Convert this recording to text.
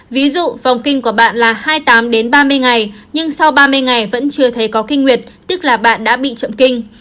ví dụ phòng kinh của bạn là hai mươi tám đến ba mươi ngày nhưng sau ba mươi ngày vẫn chưa thấy có kinh nguyệt tức là bạn đã bị chậm kinh